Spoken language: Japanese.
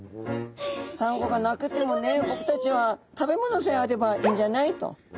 「サンゴがなくてもね僕たちは食べ物さえあればいいんじゃない？」と。